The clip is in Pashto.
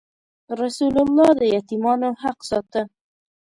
رسول الله د یتیمانو حق ساته.